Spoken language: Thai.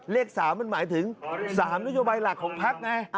เลข๓หมายถึง๓นโยบายหลักของป้างไง